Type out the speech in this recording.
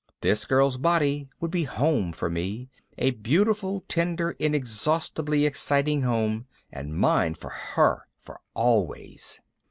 This girl's body would be home for me, a beautiful tender inexhaustibly exciting home, and mine for her, for always.